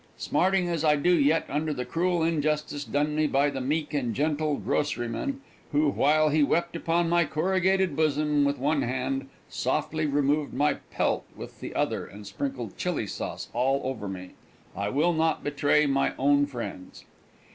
Smarting as I do yet under the cruel injustice done me by the meek and gentle groceryman, who, while he wept upon my corrugated bosom with one hand, softly removed my pelt with the other and sprinkled Chili sauce all over me, I will not betray my own friends.